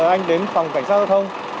anh đến phòng cảnh sát giao thông